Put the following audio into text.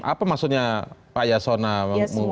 apa maksudnya pak yasona mengutar ke cerita